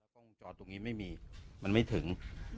กล้องจอดตรงนี้ไม่มีมันไม่ถึง